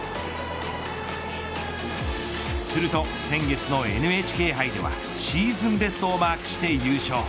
すると先月のＮＨＫ杯ではシーズンベストをマークして優勝。